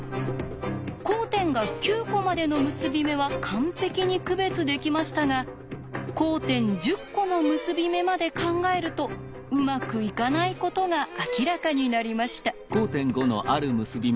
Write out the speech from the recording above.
交点が９コまでの結び目は完璧に区別できましたが交点１０コの結び目まで考えるとうまくいかないことが明らかになりました。